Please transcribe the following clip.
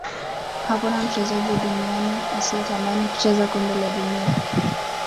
hakuna mchezaji duniani asiyetamani kucheza kombe la dunia